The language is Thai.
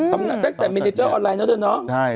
ตำนานตั้งแต่เมนาเจอร์ออนไลน์นะเดี๋ยวเนาะ